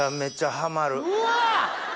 うわ！